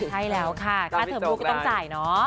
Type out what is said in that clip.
ใช่แล้วค่ะถ้าเธอบุลก็ต้องจ่ายเนอะ